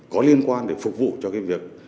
có liên quan để phục vụ cho cái việc